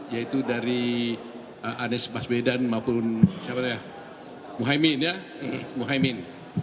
yaitu dari anies basbedan maupun muhammad